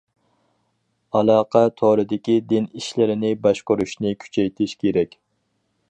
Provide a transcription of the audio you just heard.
ئالاقە تورىدىكى دىن ئىشلىرىنى باشقۇرۇشنى كۈچەيتىش كېرەك.